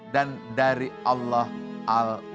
dan dari allah an nafi dan dari allah an nafi